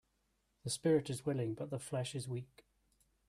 The spirit is willing but the flesh is weak